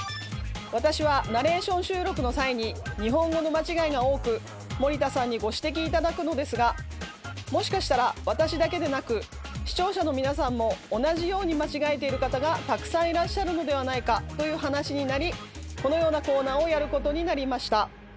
私はナレーション収録の際に日本語の間違いが多く森田さんにご指摘頂くのですがもしかしたら私だけでなく視聴者の皆さんも同じように間違えている方がたくさんいらっしゃるのではないかという話になりこのようなコーナーをやることになりました。